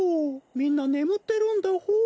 みんなねむってるんだホー。